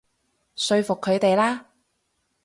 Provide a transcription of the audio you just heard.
說服佢哋啦